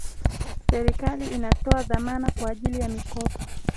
serikali inatoa dhamana kwa ajili ya mikopo